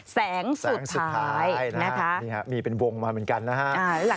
แสงแสงสุดท้ายมีเป็นวงมาเหมือนกันนะฮะ